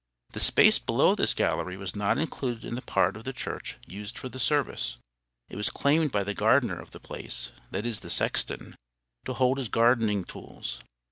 The space below this gallery was not included in the part of the church used for the service. It was claimed by the gardener of the place, that is the sexton, to hold his gardening tools.